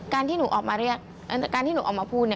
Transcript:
ที่หนูออกมาเรียกการที่หนูออกมาพูด